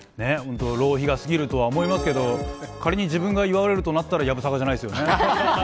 浪費がすぎるとは思いますけど仮に自分が祝われるとなったらやぶさかではないですよね。